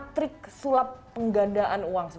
trik sulap penggandaan uang